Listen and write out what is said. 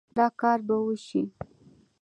دا کار به وشي